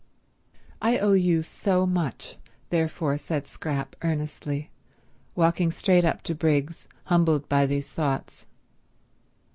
"I owe you so much," therefore said Scrap earnestly, walking straight up to Briggs, humbled by these thoughts.